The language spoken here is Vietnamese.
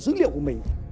dữ liệu của mình